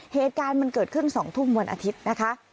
เหตุการณ์มันเกิดขึ้น๒ทุ่มวันอาทิตย์นะคะ